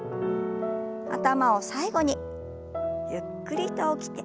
頭を最後にゆっくりと起きて。